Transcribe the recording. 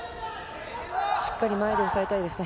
しっかり前で抑えたいですね。